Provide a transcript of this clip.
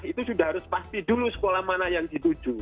itu sudah harus pasti dulu sekolah mana yang dituju